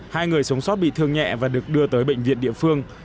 hai người sống sót bị thương nhẹ và được đưa tới bệnh viện địa phương